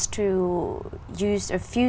hệ thống tự do